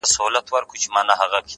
• نعمتونه انعامونه درکومه,